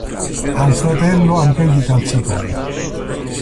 Ha un fratello, anch'egli calciatore.